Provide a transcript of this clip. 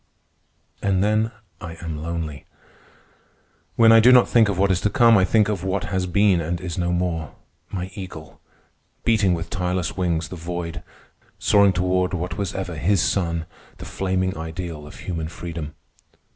And then I am lonely. When I do not think of what is to come, I think of what has been and is no more—my Eagle, beating with tireless wings the void, soaring toward what was ever his sun, the flaming ideal of human freedom.